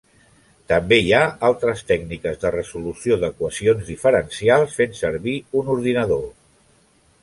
També hi ha altres tècniques de resolució d'equacions diferencials, fent servir un ordinador.